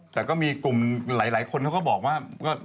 แต่ก็มีกลุ่มหลายคนเขาก็บอกว่า